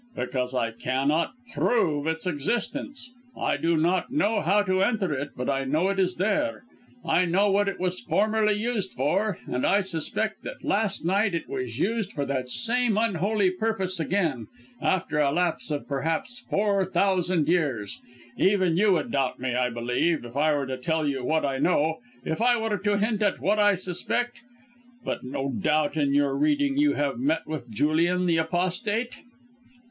"Because I cannot prove its existence. I do not know how to enter it, but I know it is there; I know what it was formerly used for, and I suspect that last night it was used for that same unholy purpose again after a lapse of perhaps four thousand years! Even you would doubt me, I believe, if I were to tell you what I know, if I were to hint at what I suspect. But no doubt in your reading you have met with Julian the Apostate?"